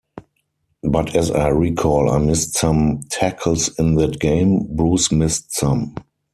But as I recall, I missed some tackles in that game, Bruce missed some.